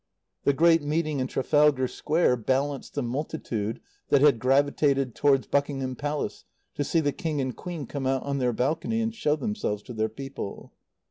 The great meeting in Trafalgar Square balanced the multitude that had gravitated towards Buckingham Palace, to see the King and Queen come out on their balcony and show themselves to their people.